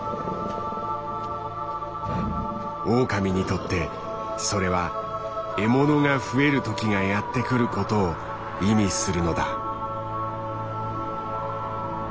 オオカミにとってそれは獲物が増える時がやって来ることを意味するのだ。